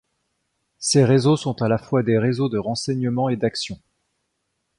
Ces réseaux sont à la fois des réseaux de renseignement et d'action.